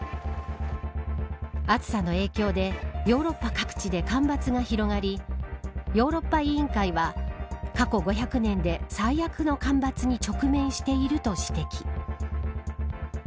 暑さの影響でヨーロッパ各地で干ばつが広がりヨーロッパ委員会は過去５００年で最悪の干ばつに直面していると指摘。